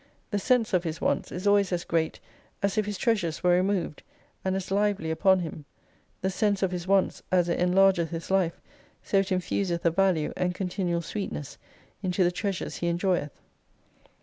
The sense of His wants is always as great, as if His treasures were re moved : and as lively upon Him. The sense of His wants, as it enlargeth His life, so it iufuseth a value, and continual sweetness into the treasures He enjoyeth.